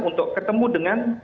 untuk ketemu dengan